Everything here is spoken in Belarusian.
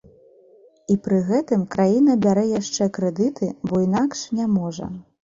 І пры гэтым краіна бярэ яшчэ крэдыты, бо інакш не можа.